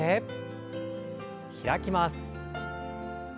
開きます。